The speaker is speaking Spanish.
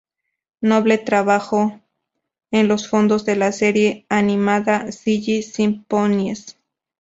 Noble trabajó en los fondos de la serie animada Silly Symphonies.